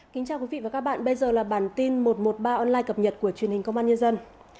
chào mừng quý vị đến với bản tin một trăm một mươi ba online cập nhật của truyền hình công an nhân dân